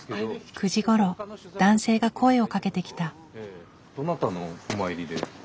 ９時ごろ男性が声をかけてきた。